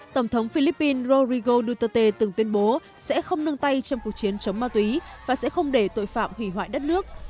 tổng thống philippines rorigo duterte từng tuyên bố sẽ không nương tay trong cuộc chiến chống ma túy và sẽ không để tội phạm hủy hoại đất nước